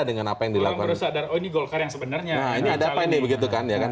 nah ini ada apa ini begitu kan